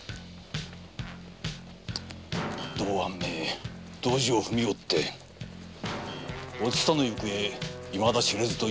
道庵めドジを踏みおってお蔦の行方いまだ知れぬというのか？